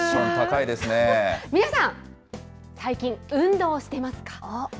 皆さん、最近、運動してます